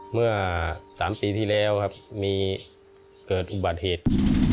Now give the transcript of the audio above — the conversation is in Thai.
เมื่อ๓ปีที่แล้วครับมีเกิดอุบัติเหตุ